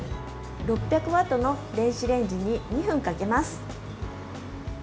６００ワットの電子レンジに２分かけます。